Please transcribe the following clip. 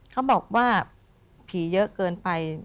เขาบอกว่าผีเยอะเกินไป